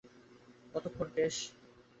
কতক্ষণ, টেস?